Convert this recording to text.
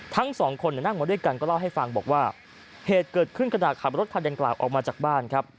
ทั้งสองคนนั่งมาด้วยกันก็เล่าให้ฟังบอกว่าเหตุเกิดขึ้นขณะขับรถคันดังกล่าวออกมาจากบ้านครับ